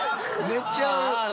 寝ちゃう。